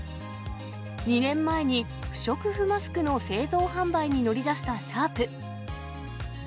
２年前に不織布マスクの製造販売に乗り出したシャープ。